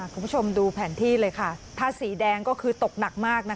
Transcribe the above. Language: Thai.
คุณผู้ชมดูแผนที่เลยค่ะถ้าสีแดงก็คือตกหนักมาก